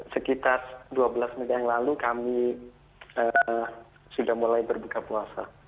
sekitar dua belas menit yang lalu kami sudah mulai berbuka puasa